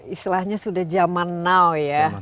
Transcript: istilahnya sudah zaman now ya